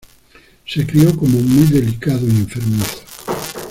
Se crió como muy delicado y enfermizo.